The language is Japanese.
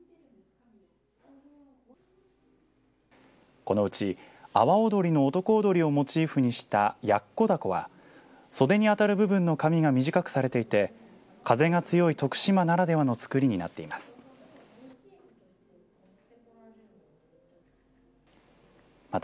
このうち阿波踊りの男踊りをモチーフにしたやっこだこは袖に当たる部分の紙が短くされていて、風が強い徳島ならではの作りになっています。